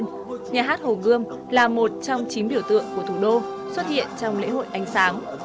nhà hát hồ gươm là một trong chín biểu tượng của thủ đô xuất hiện trong lễ hội ánh sáng